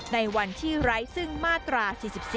ในวันที่ไร้ซึ่งมาตรา๔๔